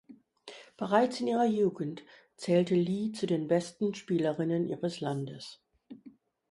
Bereits in ihrer Jugend zählte Li zu den besten Spielerinnen ihres Landes.